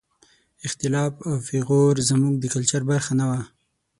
اختلاف او پېغور زموږ د کلچر برخه نه وه.